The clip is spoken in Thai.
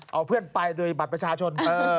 เอาเพื่อนไปโดยบัตรประชาชน